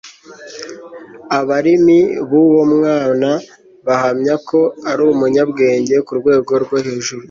abarimi b'uwo mwana bahamya ko ari umunyabwenge ku rwego rwo hejuru